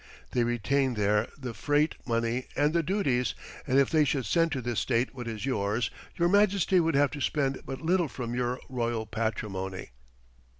They retain there the freight money and the duties; and if they should send to this state what is yours, your Majesty would have to spend but little from your royal patrimony."